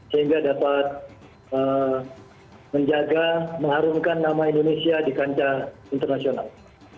sehingga dapat menjaga mengharumkan nama indonesia di kancah internasional